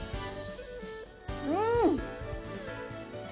うん！